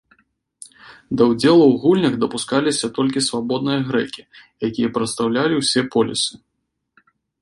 Да ўдзелу ў гульнях дапускаліся толькі свабодныя грэкі, якія прадстаўлялі ўсе полісы.